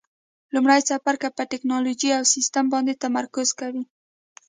لومړی څپرکی په ټېکنالوجي او سیسټم باندې تمرکز کوي.